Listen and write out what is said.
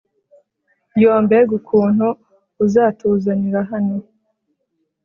yoo, mbega ukuntu uzatuzanira hano